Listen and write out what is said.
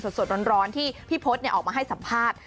สดร้อนที่พี่พศออกมาให้สัมภาษณ์